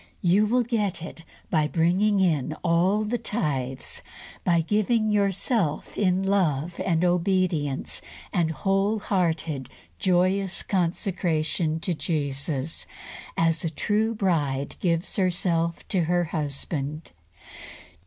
You will get it by bringing in all the tithes, by giving yourself in love and obedience and wholehearted, joyous consecration to Jesus, as a true bride gives herself to her husband.